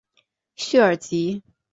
叙尔吉。